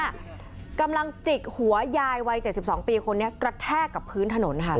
กำลังจิกหัวยายวัย๗๒ปีคนนี้กระแทกกับพื้นถนนค่ะ